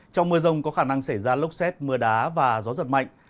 trong mưa rông có khả năng xảy ra lốc xét mưa đá và gió giật mạnh